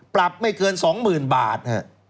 ปรับไม่เกิน๒๐๐๐บาท